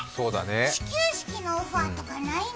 始球式のオファーとかないの？